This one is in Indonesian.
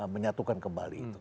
menyatukan kembali itu